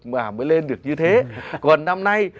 mà mới lên được như thế còn năm nay